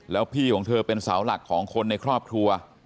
แล้วพี่ของเธอเป็นเสาหลักของคนในครอบครัว